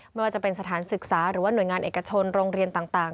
ไม่ว่าจะเป็นสถานศึกษาหรือว่าหน่วยงานเอกชนโรงเรียนต่าง